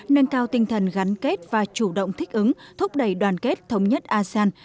nâng cao tinh thần gắn kết và chủ động thích ứng thúc đẩy đoàn kết thống nhất asean